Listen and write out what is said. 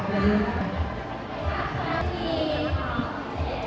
ท้องมือค่ะ